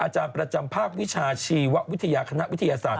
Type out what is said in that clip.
อาจารย์ประจำภาควิชาชีววิทยาคณะวิทยาศาสต